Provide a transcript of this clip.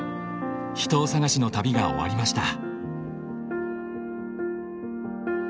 秘湯探しの旅が終わりました。